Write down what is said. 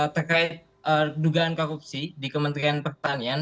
terkait dugaan korupsi di kementerian pertanian